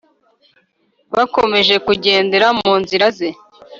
Bakomeje kugendera mu nzira ze